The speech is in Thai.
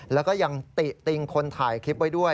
แล้วก็ยังติติงคนถ่ายคลิปไว้ด้วย